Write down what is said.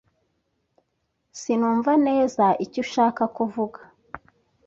Sinumva neza icyo ushaka kuvuga.